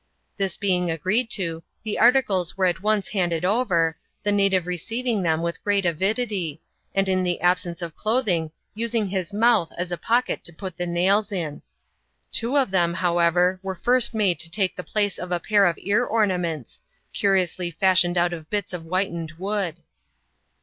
This being agreed to, the articles were at once Wh^Sl^^ q ^^t^ V5w^ 28 ADVENTURES IN THE SOUTH SEAS. [cHAP.vfi. native receiving them with great avidity, and in the absence of clothing, using his mouth as a pocket to put the nails in. Two of them, however, were first made to take the place of a pair of ear ornaments, curiously fashioned out of bits of whitened wood.